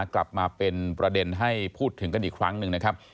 กลับมาเป็นประเด็นให้พูดถึงกันอีกครั้งหนึ่งนะครับ